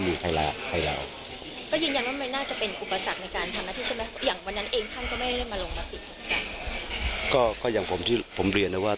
ไม่ได้มาลงบัตรอีกก็อย่างผมที่ผมเรียนนะว่า